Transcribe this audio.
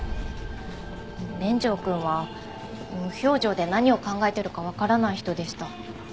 連城くんは無表情で何を考えてるかわからない人でした。